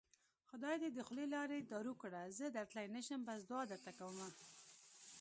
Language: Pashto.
خدای دې د خولې لاړې دارو کړه زه درتلی نشم بس دوعا درته کوومه